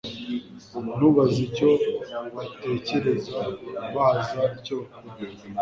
Ntubaze icyo batekereza Baza icyo bakora